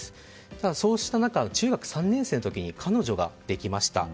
ただ、そうした中中学３年生の時彼女ができました。